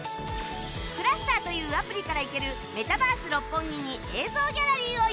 ｃｌｕｓｔｅｒ というアプリから行けるメタバース六本木に映像ギャラリーを用意